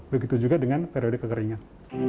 begitu juga dengan periode kekeringan